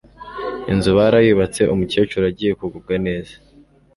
inzu barayubatse umukecuru agiye kugubwa neza